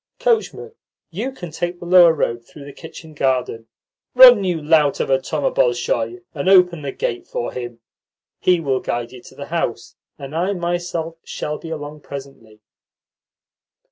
Coachman, you can take the lower road through the kitchen garden. Run, you lout of a Thoma Bolshoy, and open the gate for him. He will guide you to the house, and I myself shall be along presently."